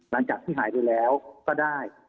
หลังจากที่หายไปแล้วก็ได้